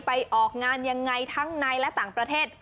ออกงานยังไงทั้งในและต่างประเทศ